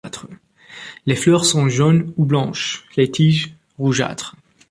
Les fleurs sont jaunes ou blanches, les tiges rougeâtres.